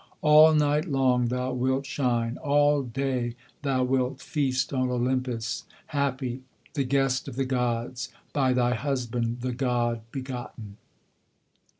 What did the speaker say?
All night long thou wilt shine; all day thou wilt feast on Olympus, Happy, the guest of the gods, by thy husband, the god begotten.'